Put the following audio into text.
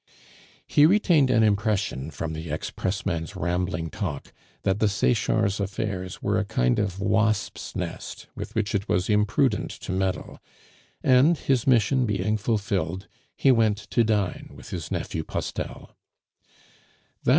He retained an impression, from the ex pressman's rambling talk, that the Sechards' affairs were a kind of wasps' nest with which it was imprudent to meddle, and his mission being fulfilled, he went to dine with his nephew Postel.